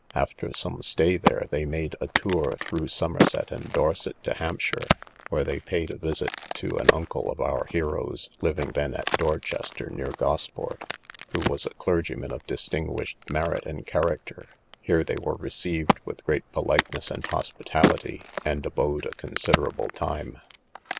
After some stay here, they made a tour through Somerset and Dorset to Hampshire, where they paid a visit to an uncle of our hero's living then at Dorchester, near Gosport, who was a clergyman of distinguished merit and character; here they were received with great politeness and hospitality, and abode a considerable time.